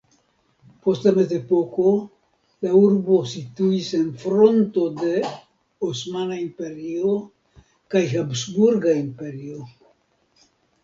Post la mezepoko la urbo situis en fronto de Osmana Imperio kaj Habsburga Imperio.